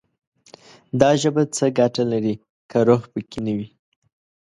دا ژبه څه ګټه لري، که روح پکې نه وي»